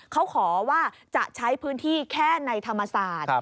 เขาขอว่าจะใช้พื้นที่แค่ในธรรมศาสตร์